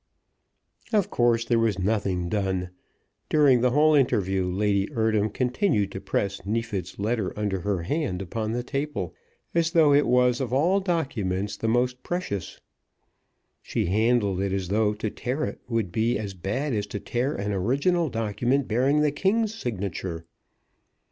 Of course there was nothing done. During the whole interview Lady Eardham continued to press Neefit's letter under her hand upon the table, as though it was of all documents the most precious. She handled it as though to tear it would be as bad as to tear an original document bearing the king's signature.